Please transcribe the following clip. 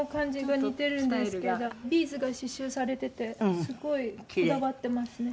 ビーズが刺繍されててすごいこだわってますね。